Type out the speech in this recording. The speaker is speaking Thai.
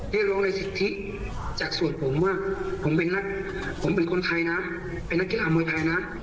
เรียกร้องในสิทธิจากส่วนผมว่าผมเป็นนักผมเป็นคนไทยนะเป็นนักกีฬามวยไทยนะ